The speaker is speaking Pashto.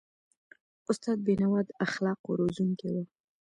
استاد بینوا د اخلاقو روزونکی و.